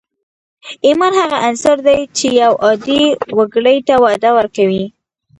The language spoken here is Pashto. ايمان هغه عنصر دی چې يو عادي وګړي ته وده ورکوي.